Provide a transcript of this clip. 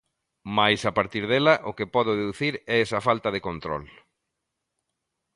Mais, a partir dela, o que podo deducir é esa falta de control.